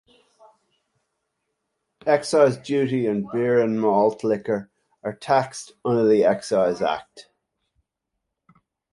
Excise duties on beer and malt liquor are taxed under the Excise Act.